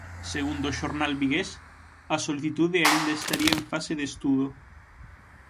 Segundo o xornal vigués, a solicitude aínda estaría en fase de estudo.